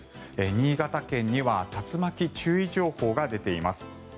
新潟県には竜巻注意情報が出ています。